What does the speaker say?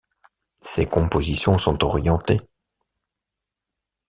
Ses compositions sont orientées.